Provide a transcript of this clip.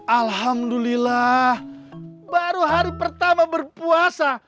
alhamdulillah baru hari pertama berpuasa